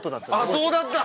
そうだった！